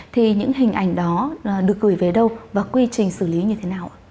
thì những hình ảnh đó được gửi về đâu và quy trình xử lý như thế nào ạ